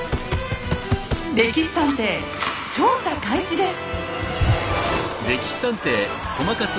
「歴史探偵」調査開始です！